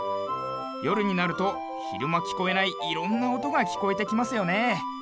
よるになるとひるまきこえないいろんなおとがきこえてきますよね。